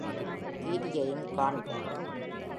Pd யையும் காண்க.